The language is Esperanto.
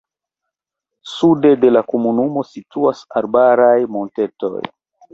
Sude de la komunumo situas arbaraj montetoj.